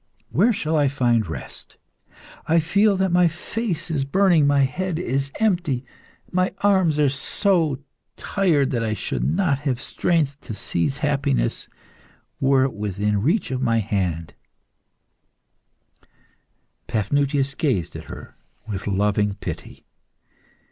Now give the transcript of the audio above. Where shall I find rest? I feel that my face is burning, my head empty, and my arms are so tired that I should not have the strength to seize happiness were it within reach of my hand." Paphnutius gazed at her with loving pity.